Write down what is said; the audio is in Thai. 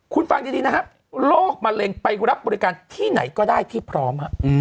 คุณฟังดีนะครับโรคมะเร็งไปรับบริการที่ไหนก็ได้ที่พร้อม